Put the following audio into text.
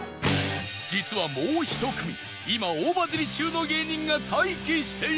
実はもう１組今大バズり中の芸人が待機していた